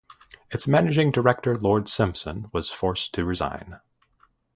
Its managing director Lord Simpson was forced to resign.